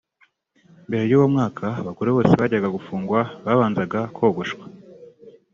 Mbere y’uwo mwaka abagore bose bajyaga gufungwa babanzaga kogoshwa